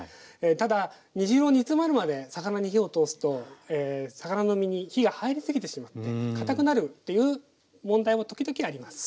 ただ煮汁を煮詰まるまで魚に火を通すと魚の身に火が入りすぎてしまって堅くなるっていう問題も時々あります。